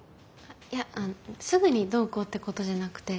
いやあのすぐにどうこうってことじゃなくて。